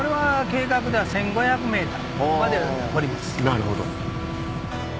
なるほど。